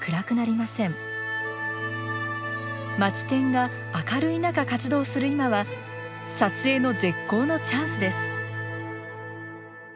マツテンが明るい中活動する今は撮影の絶好のチャンスです。